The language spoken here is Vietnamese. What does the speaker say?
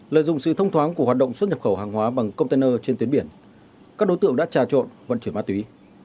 lợi dụng sự thông thoáng của hoạt động xuất nhập khẩu hàng hóa bằng container trên tuyến biển các đối tượng đã trà trộn vận chuyển ma túy